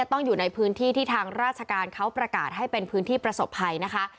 ต้องอยู่ในพื้นที่ที่ทางราชการเขาประกาศให้เป็นพื้นที่ประสบภัยนะคะ